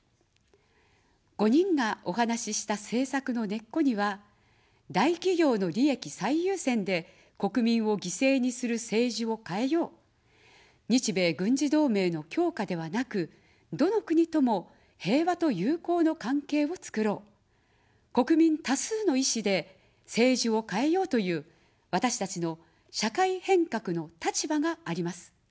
５人がお話した政策の根っこには、大企業の利益最優先で国民を犠牲にする政治を変えよう、日米軍事同盟の強化ではなく、どの国とも、平和と友好の関係をつくろう、国民多数の意思で政治を変えようという、私たちの社会変革の立場があります。